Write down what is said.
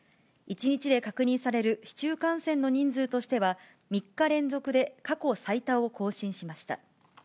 １日で確認される市中感染の人数としては、３日連続で過去最多を更新しました。